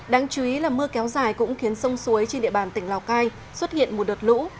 đáng chú ý là mưa kéo dài cũng khiến sông suối trên địa bàn tỉnh lào cai xuất hiện một đợt lũ